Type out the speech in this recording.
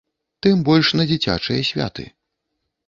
Тым больш на дзіцячыя святы.